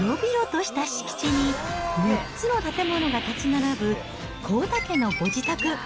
広々とした敷地に６つの建物が建ち並ぶ幸田家のご自宅。